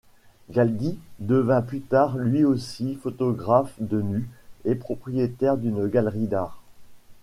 Galdi devint plus tard lui aussi photographe de nus et propriétaire d’une galerie d’art.